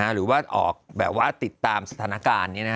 หรือว่าออกแบบว่าติดตามสถานการณ์